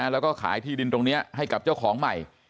แล้วก็ขายที่ดินตรงนี้ให้กับเจ้าของใหม่